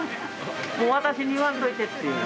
もう私に言わんといてっていう。